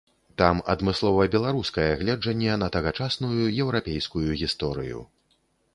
Там адмыслова беларускае гледжанне на тагачасную еўрапейскую гісторыю.